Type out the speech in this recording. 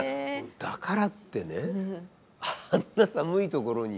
だからってねあんな寒いところにね。